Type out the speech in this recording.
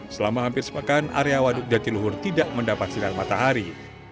selama hampir sepekan area waduk jatiluhur tidak mendapat sinar matahari